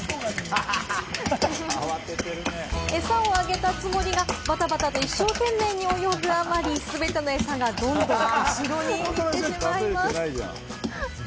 エサをあげたつもりがバタバタと一生懸命に泳ぐあまり、全てのエサがどんどん後ろに行ってしまいます。